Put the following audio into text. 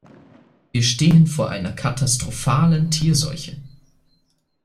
Wir stehen vor einer katastrophalen Tierseuche.